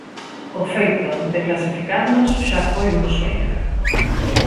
O feito de clasificarnos xa foi un soño.